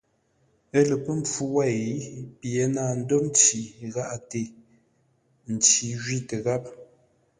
Ə́ lə pə́ mpfu wêi, pye náa ndə́r nci gháʼate; nci jwítə gháp.